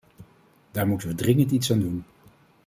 Daar moet we dringend iets aan doen.